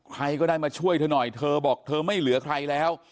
ใครก็ได้มาช่วยเธอหน่อยเธอบอกเธอไม่เหลือใครแล้ว